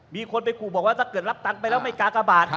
ผมบอกว่าถ้าเกิดรับตังค์ไปแล้วไม่กากบาท